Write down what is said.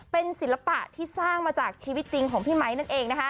เป็นศิลปะสร้างกินไจจากชีวิตจริงของพี่ไม้นั่นเอง